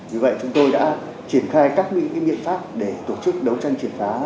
vì vậy chúng tôi đã triển khai các miệng pháp để tổ chức đấu tranh triển phá